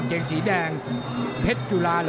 แกงสีแดงเจ็กสีแดงเจ็กสีแดง